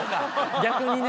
逆にね。